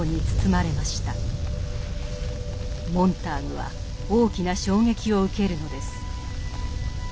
モンターグは大きな衝撃を受けるのです。